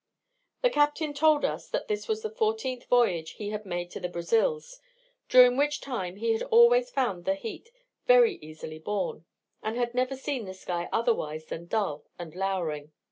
The captain told us that this was the fourteenth voyage he had made to the Brazils, during which time he had always found the heat very easily borne, and had never seen the sky otherwise than dull and lowering.